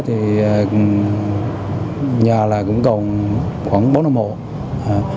thì nhà là cũng còn khoảng bốn năm mùa